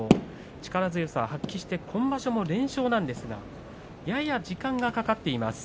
力強さを発揮してここまで連勝ですがやや時間がかかっています。